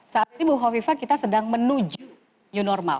saat ini bu hovifa kita sedang menuju new normal